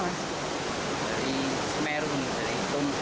dari semeru dari tumpe